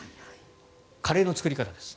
カレーの作り方です。